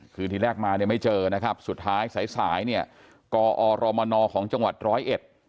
คือทีแรกมาเนี่ยไม่เจอนะครับสุดท้ายสายสายเนี่ยกอรมนของจังหวัดร้อยเอ็ด